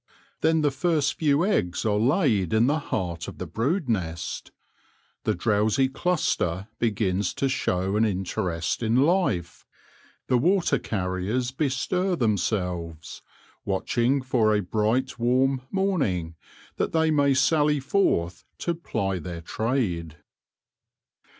Then the first few eggs are laid in the heart of the brood nest ; the drowsy cluster begins to show an interest in life ; the water carriers bestir themselves, watching for a bright warm morning, that they may sally forth to ply their trade.